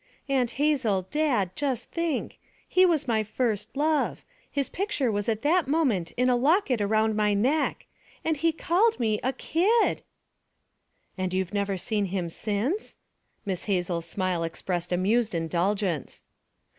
'Aunt Hazel, Dad, just think. He was my first love. His picture was at that moment in a locket around my neck. And he called me a kid!' 'And you've never seen him since?' Miss Hazel's smile expressed amused indulgence.